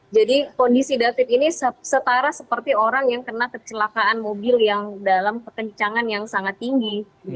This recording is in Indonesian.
kondisi david ini setara seperti orang yang kena kecelakaan mobil yang dalam kekencangan yang sangat tinggi